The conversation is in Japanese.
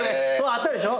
あったでしょ？